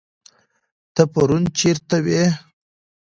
ته پرون چيرته وي